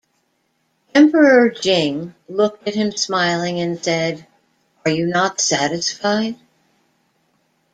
Emperor Jing looked at him smiling and said, Are you not satisfied?